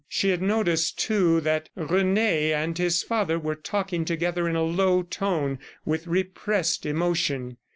She had noticed, too, that Rene and his father were talking together in a low tone, with repressed emotion.